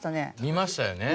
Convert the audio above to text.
見ましたよね。